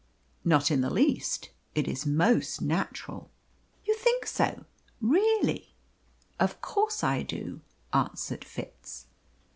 "Not in the least. It is most natural." "You think so really?" "Of course I do," answered Fitz.